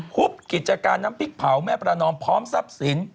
ุบกิจการน้ำพริกเผาแม่ประนอมพร้อมทรัพย์สิน